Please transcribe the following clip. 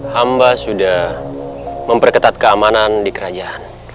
hamba sudah memperketat keamanan di kerajaan